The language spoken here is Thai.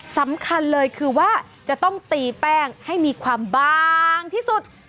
สำคัญเลยคือว่าจะต้องตีแป้งให้มีความบางที่สุด